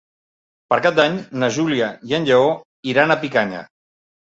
Per Cap d'Any na Júlia i en Lleó iran a Picanya.